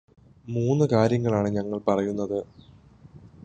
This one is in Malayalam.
മൂന്നുകാര്യങ്ങളാണ് ഞങ്ങൾ പറയുന്നത്.